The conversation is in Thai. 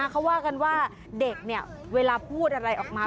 เขาว่ากันว่าเด็กเวลาพูดอะไรออกมา